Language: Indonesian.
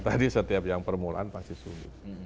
tadi setiap yang permulaan pasti sulit